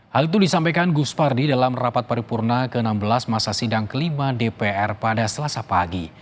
hal itu disampaikan gus pardi dalam rapat paripurna ke enam belas masa sidang kelima dpr pada selasa pagi